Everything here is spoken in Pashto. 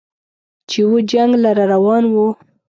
چې و جنګ لره روان و